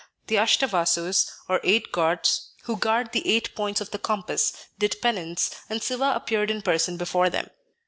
The Ashtavasus, or eight gods who guard the eight points of the compass, did penance, and Siva appeared in person before them.